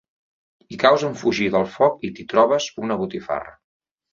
Hi caus en fugir del foc i t'hi trobes una botifarra.